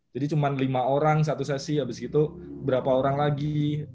jadi cuman lima orang satu sesi abis itu berapa orang lagi